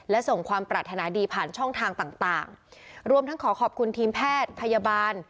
และส่งความปรารถนาดีผ่านช่องทางต่างต่างรวมทั้งขอขอบคุณทีมแพทย์พยาบาล